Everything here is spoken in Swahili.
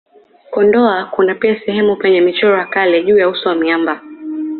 Kondoa kuna pia sehemu penye michoro ya kale juu ya uso ya miamba